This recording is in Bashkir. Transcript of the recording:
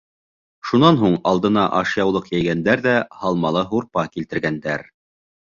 Шунан һуң алдына ашъяулыҡ йәйгәндәр ҙә һалмалы һурпа килтергәндәр.